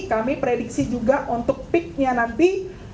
kami prediksi juga untuk peaknya nanti